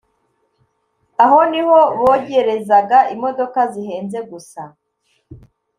aho ni ho bogerezaga imodoka zihenze gusa